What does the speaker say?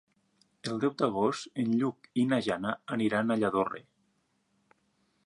El deu d'agost en Lluc i na Jana aniran a Lladorre.